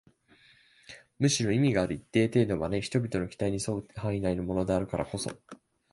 むしろ意味がある一定程度まで人々の期待に添う範囲内のものであるからこそ